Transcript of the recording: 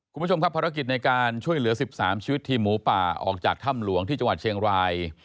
คุณผู้ชมครับภารกิจในการช่วยเหลือ๑๓ชีวิตทีมหมูป่าออกจากถ้ำหลวงที่จังหวัดเชียงราย